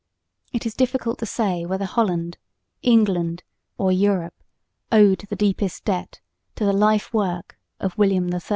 It is difficult to say whether Holland, England or Europe owed the deepest debt to the life work of William III.